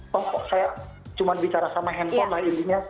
kok saya cuma bicara sama handphone lah intinya